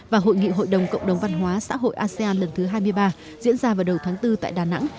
và hội nghị hội đồng cộng đồng văn hóa xã hội asean lần thứ hai mươi ba diễn ra vào đầu tháng bốn tại đà nẵng